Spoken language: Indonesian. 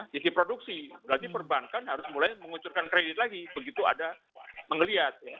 sisi produksi berarti perbankan harus mulai mengucurkan kredit lagi begitu ada mengeliat